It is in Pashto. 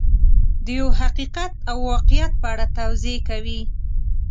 د یو حقیقت او واقعیت په اړه توضیح کوي.